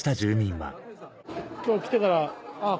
今日来てから「あぁ」。